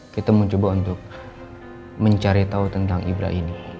kita mencoba untuk mencari tahu tentang ibra ini